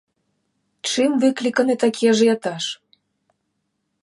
Чым выкліканы такі ажыятаж?